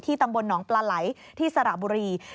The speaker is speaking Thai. ตำบลหนองปลาไหลที่สระบุรี